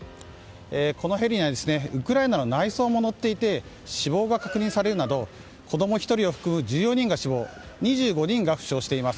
このヘリにはウクライナの内相も乗っていて死亡が確認されるなど子供１人を含む１４人が死亡２５人が負傷しています。